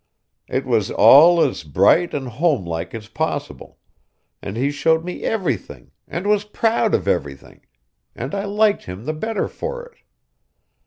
It was all as bright and homelike as possible, and he showed me everything, and was proud of everything, and I liked him the better for it.